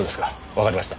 わかりました。